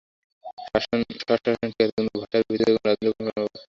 স্বশাসন ঠিক আছে, কিন্তু ভাষার ভিত্তিতে ছোট রাজ্য গঠনের পক্ষে আমরা নই।